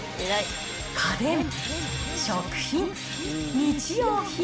家電、食品、日用品。